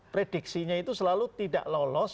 prediksinya itu selalu tidak lolos